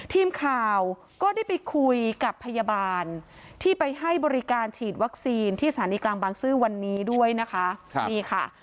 ทีมข่าวก็ได้ไปคุยกับพยาบาลที่ไปให้บริการฉีดวัคซีนที่สถานีกลางบางซื่อวันนี้ด้วยนะคะนี่ค่ะ